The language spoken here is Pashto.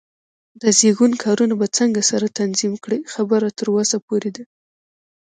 د زېږون کارونه به څنګه سره تنظیم کړې؟ خبره تر وسه پورې ده.